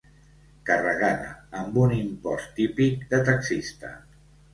Carregada amb un impost típic de taxista.